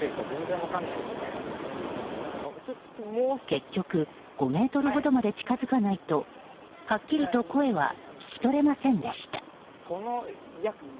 結局５ｍほどまで近づかないとはっきりと声は聞き取れませんでした。